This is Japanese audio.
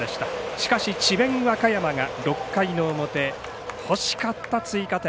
しかし智弁和歌山が６回の表欲しかった追加点。